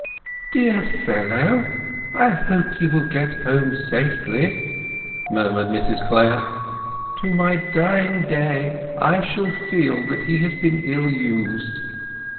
"Dear fellow, I hope he will get home safely," murmured Mrs Clare. "To my dying day I shall feel that he has been ill used.